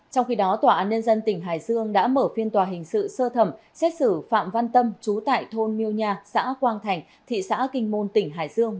trong khi đó tòa án nhân dân tỉnh hải dương đã mở phiên tòa hình sự sơ thẩm xét xử phạm văn tâm chú tại thôn miêu nha xã quang thành thị xã kinh môn tỉnh hải dương